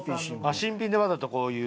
新品でわざとこういう。